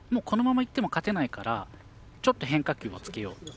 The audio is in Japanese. このままいっても勝てないからちょっと変化球をつけよう。